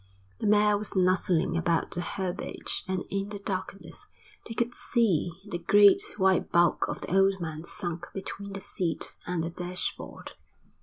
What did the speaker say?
The mare was nuzzling about the herbage and in the darkness they could just see the great white bulk of the old man sunk between the seat and the dashboard.